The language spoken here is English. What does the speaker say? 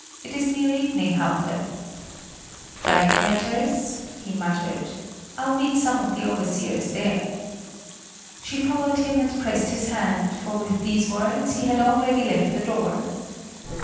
It is near evening, Hauke." "Dike matters!" he muttered. "I'll meet some of the overseers there." She followed him and pressed his hand, for with these words he had already left the door.